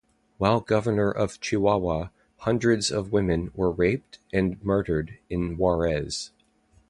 While governor of Chihuahua, hundreds of women were raped and murdered in Juarez.